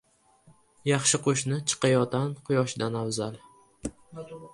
• Yaxshi qo‘shni chiqayotan Quyoshdan afzal.